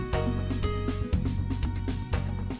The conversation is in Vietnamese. vâng xin cảm ơn